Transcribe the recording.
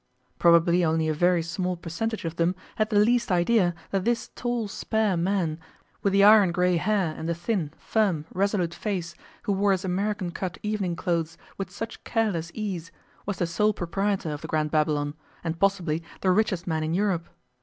Probably only a very small percentage of them had the least idea that this tall spare man, with the iron grey hair and the thin, firm, resolute face, who wore his American cut evening clothes with such careless ease, was the sole proprietor of the Grand Babylon, and possibly the richest man in Europe.